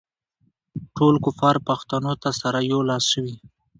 ټول کفار پښتنو ته سره یو لاس شوي.